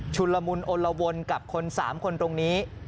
ละมุนอลละวนกับคน๓คนตรงนี้